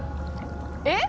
「えっ？」